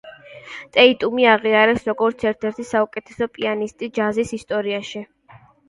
ტეიტუმი აღიარეს, როგორც ერთ-ერთი საუკეთესო პიანისტი ჯაზის ისტორიაში.